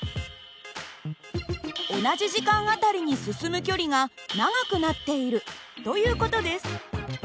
同じ時間あたりに進む距離が長くなっているという事です。